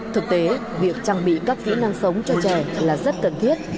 thực tế việc trang bị các kỹ năng sống cho trẻ là rất cần thiết